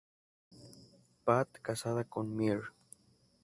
Pat, casada con Mr.